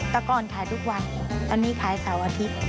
แต่ก่อนขายทุกวันตอนนี้ขายเสาร์อาทิตย์